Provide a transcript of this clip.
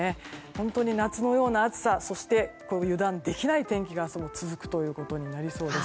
本当に夏のような暑さそして油断できない天気が明日も続くことになりそうです。